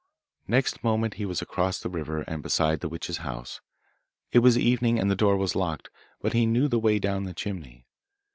Next moment he was across the river and beside the witch's house. It was evening, and the door was locked, but he knew the way down the chimney.